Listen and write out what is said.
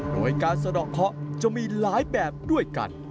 โดยการสะดอกเคาะจะมีหลายแบบด้วยกัน